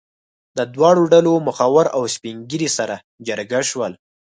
د دواړو ډلو مخور او سپین ږیري سره جرګه شول.